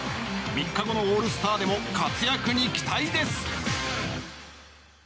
３日後のオールスターでも活躍に期待です。